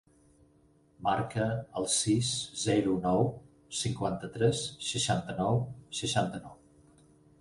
Marca el sis, zero, nou, cinquanta-tres, seixanta-nou, seixanta-nou.